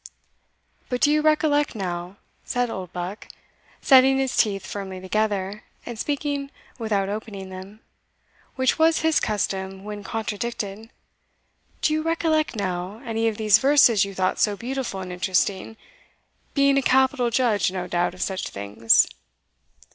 "But do you recollect, now," said Oldbuck, setting his teeth firmly together, and speaking without opening them, which was his custom when contradicted "Do you recollect, now, any of these verses you thought so beautiful and interesting being a capital judge, no doubt, of such things?"